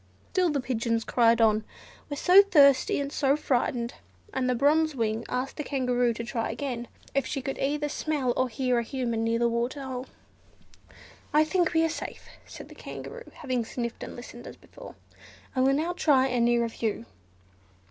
Still the pigeons cried on, "we're so thirsty and so frightened;" and the Bronze Wing asked the Kangaroo to try again, if she could either smell or hear a Human near the water hole. "I think we are safe," said the Kangaroo, having sniffed and listened as before; "I will now try a nearer view."